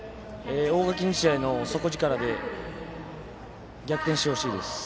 大垣日大の底力で逆転してほしいです。